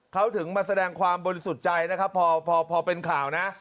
เขาถึงมาแสดงความบริสุทธิ์ใจนะครับพอเป็นข่าวนะ